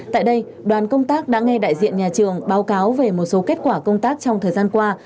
tại đây đoàn công tác đã nghe đại diện nhà trường báo cáo về một số kết quả công tác trong thời gian qua